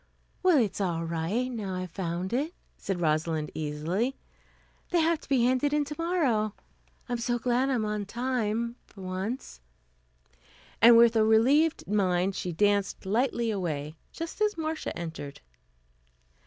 "Well, it's all right, now I've found it," said Rosalind easily. "They have to be handed in tomorrow. I'm so glad I'm on time, for once." And with a relieved mind she danced lightly away, just as Marcia entered.